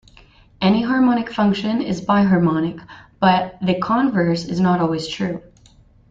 Any harmonic function is biharmonic, but the converse is not always true.